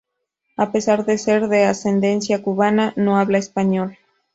A pesar de ser de ascendencia cubana no habla español.